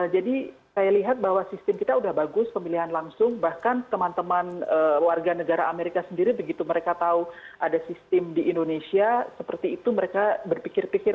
jadi saya lihat bahwa sistem kita sudah bagus pemilihan langsung bahkan teman teman warga negara amerika sendiri begitu mereka tahu ada sistem di indonesia seperti itu mereka berpikir pikir